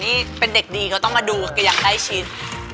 นี่เป็นเด็กดีเขาต้องมาดูก็อยากได้ชิ้น